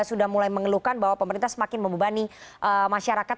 sudah mulai mengeluhkan bahwa pemerintah semakin membebani masyarakat